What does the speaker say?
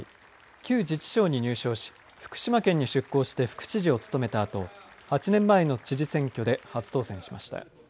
旧自治省に入省し福島県に出向して副知事を務めたあと８年前の知事選挙で初当選しました。